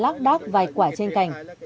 cây còn lắc đắc vài quả trên cành